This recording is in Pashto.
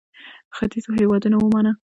ختیځو هېوادونو ومانه.